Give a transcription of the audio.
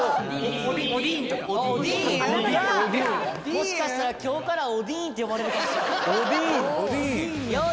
もしかしたら今日から「おディーン」って呼ばれるかもしれん。